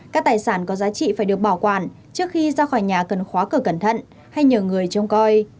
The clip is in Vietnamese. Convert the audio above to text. các tài sản có giá trị phải được bảo quản trước khi ra khỏi nhà cần khóa cửa cẩn thận hay nhờ người trông coi